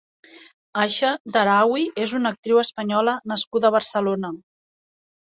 Aysha Daraaui és una actriz española nascuda a Barcelona.